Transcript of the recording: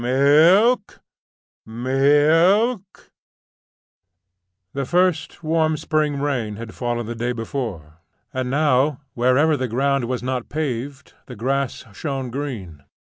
milk! milk!" The first warm spring rain had fallen the day before, and now wherever the ground was not paved the grass shone green.